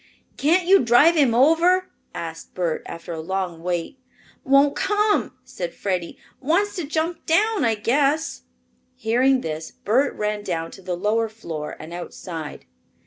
"Can't you drive him over?" asked Bert, after a long wait. "Won't come," said Freddie. "Wants to jump down, I guess." Hearing this, Bert ran down to the lower floor and outside.